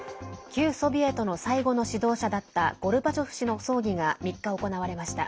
旧ソビエトの最後の指導者だったゴルバチョフ氏の葬儀が３日、行われました。